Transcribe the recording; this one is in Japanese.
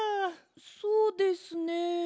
そうですね。